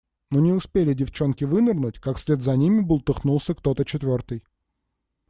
Но не успели девчонки вынырнуть, как вслед за ними бултыхнулся кто-то четвертый.